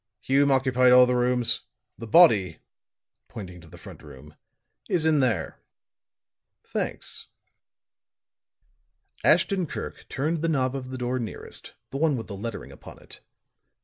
Hume occupied all the rooms. The body," pointing to the front room, "is in there." "Thanks." Ashton Kirk turned the knob of the door nearest, the one with the lettering upon it.